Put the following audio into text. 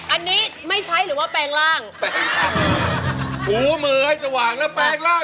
อันนี้ไม่ใช่หรือว่าแปลงร่าง